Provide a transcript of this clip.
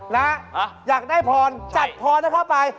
แล้วอยากได้พรจัดพรทะเข้าไป